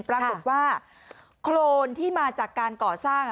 กะว่าโคนที่มาจากการเกาะสร้างะค่ะ